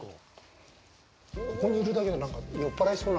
ここにいるだけで酔っ払いそうな。